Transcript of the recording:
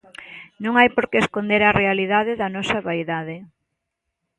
Non hai porque esconder a realidade da nosa vaidade.